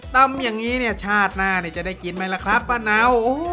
ตำอย่างนี้เนี่ยชาติหน้าจะได้กินไหมล่ะครับป้าเนา